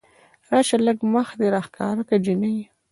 راشه لږ مخ دې راښکاره که جينۍ